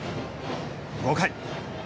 ５回。